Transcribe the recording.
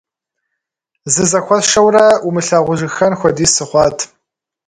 Зызэхуэсшэурэ, умылъагъужыххэн хуэдиз сыхъуат.